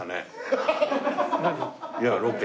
いやロケ。